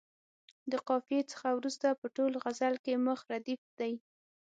د قافیې څخه وروسته په ټول غزل کې مخ ردیف دی.